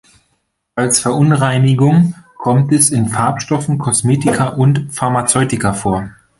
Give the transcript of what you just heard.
Als Verunreinigung kommt es in Farbstoffen, Kosmetika und Pharmazeutika vor.